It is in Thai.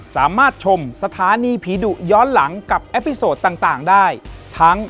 สวัสดีค่ะขอบคุณค่ะ